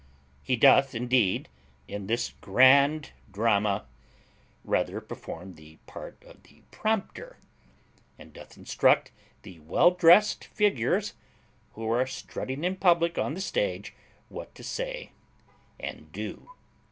He doth indeed, in this GRAND DRAMA, rather perform the part of the prompter, and doth instruct the well drest figures, who are strutting in public on the stage, what to say and do.